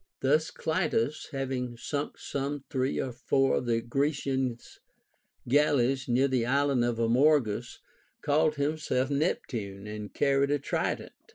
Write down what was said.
t Thus Clitus, having sunk' some three or four of the Grecians galleys near the island Amorgus, called himself Neptune and carried a trident.